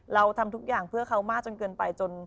เราทำทุกอย่างเพื่อเขามากจนเกินไป